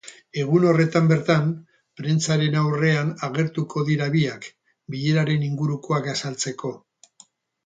Egun horretan bertan, prentsaren aurrean agertuko dira biak, bileraren ingurukoak azaltzeko.